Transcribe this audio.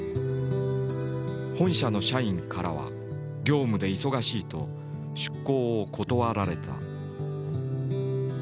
本社の社員からは「業務で忙しい」と出向を断られた。